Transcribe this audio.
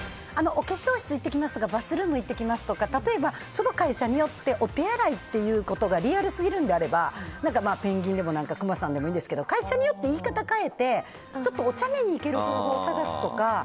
お化粧室行ってきますとかバスルーム行ってきますとか例えば、その会社によってお手洗いということがリアルすぎるんであればペンギンでもクマさんでもいいんですけど会社によって言い方変えておちゃめに行ける方法を探すとか。